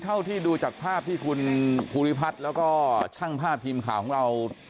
เท่าที่ดูจากภาพที่คุณภูริพัฒน์แล้วก็ช่างภาพทีมข่าวของเรา